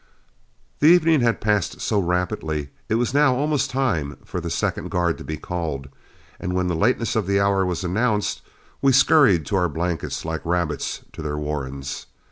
The evening had passed so rapidly it was now almost time for the second guard to be called, and when the lateness of the hour was announced, we skurried to our blankets like rabbits to their warrens.